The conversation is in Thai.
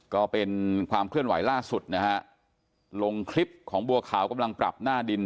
ก็เป็นความเคลื่อนไหวล่าสุดนะฮะลงคลิปของบัวขาวกำลังปรับหน้าดิน